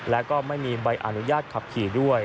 และก็ไม่มีใบอนุญาตขับขี่ด้วย